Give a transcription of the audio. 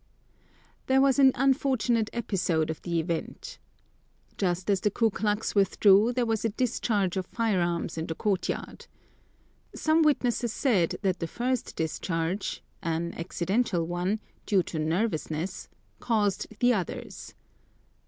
There was an unfortunate episode of the event: Just as the Ku Klux withdrew there was a discharge of firearms in the courtyard. Some witnesses said that the first discharge, an accidental one, due to nervousness, caused the others.